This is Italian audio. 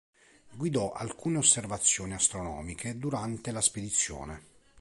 Guidò alcune osservazioni astronomiche durante la spedizione.